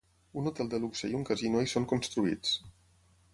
Un hotel de luxe i un casino hi són construïts.